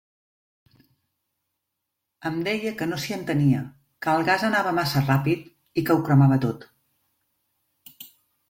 Em deia que no s'hi entenia, que el gas anava massa ràpid i que ho cremava tot.